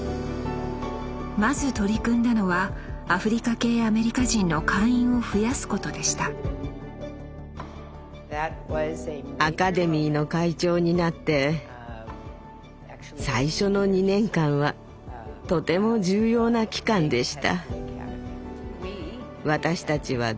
まず取り組んだのはアフリカ系アメリカ人の会員を増やすことでしたアカデミーの会長になって最初の２年間はとても重要な期間でした。